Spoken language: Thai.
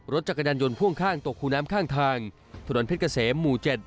รถจักรยานยนต์พ่วงข้างตกคูน้ำข้างทางถนนเพชรเกษมหมู่๗